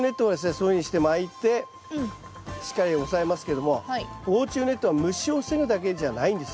そういうふうにしてまいてしっかり押さえますけども防虫ネットは虫を防ぐだけじゃないんですよ。